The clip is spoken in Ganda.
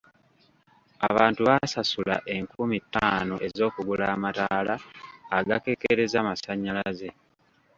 Abantu baasasula enkumi ttaano ez'okugula amataala agakekereza amasanyalaze.